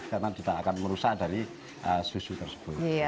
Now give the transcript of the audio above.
karena tidak akan merusak dari susu tersebut